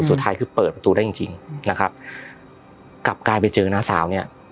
สุดท้ายคือเปิดประตูได้จริงจริงนะครับกลับกลายไปเจอน้าสาวเนี่ย